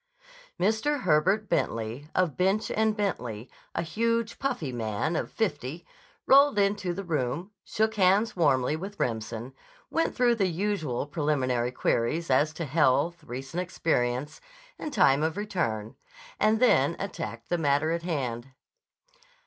Mr. Herbert Bentley, of Bench & Bentley, a huge, puffy man of fifty, rolled into the room, shook hands warmly with Remsen, went through the usual preliminary queries as to health, recent experience, and time of return, and then attacked the matter in hand.